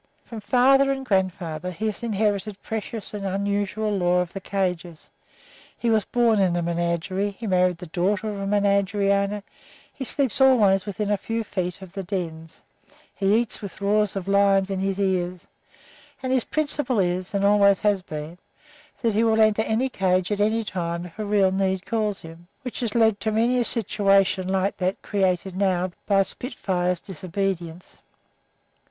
From father and grandfather he has inherited precious and unusual lore of the cages. He was born in a menagerie, he married the daughter of a menagerie owner, he sleeps always within a few feet of the dens, he eats with roars of lions in his ears. And his principle is, and always has been, that he will enter any cage at any time if a real need calls him which has led to many a situation like that created now by Spitfire's disobedience.